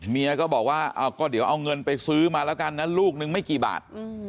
เมียก็บอกว่าก็เดี๋ยวเอาเงินไปซื้อมาแล้วกันนะลูกนึงไม่กี่บาท